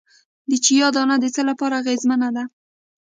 د چیا دانه د څه لپاره اغیزمنه ده؟